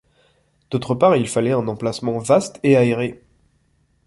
D’autre part, il fallait un emplacement vaste et aéré.